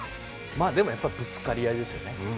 まあでもやっぱぶつかり合いですよね。